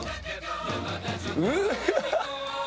うわ！